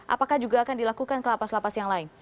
apakah juga akan dilakukan kelapas lapas yang lain